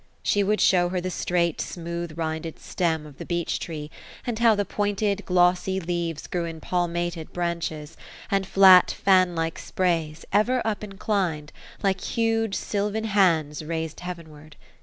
She would show her the straight smooth rinded stem of the beech tree, and how the pointed glossy leaves grew in palmated branch es, and flat fanlike sprays, ever up inclined, like huge sylvan hands rais ed heavenward.